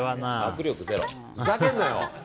ふざけんなよ！